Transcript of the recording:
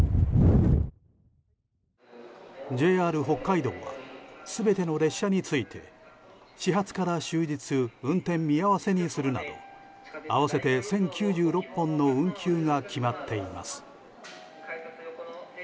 ＪＲ北海道は全ての列車について始発から終日運転見合わせにするなど合わせて１０９６本の運休が決まっています。